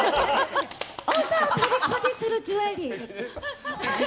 女を虜にするジュエリー！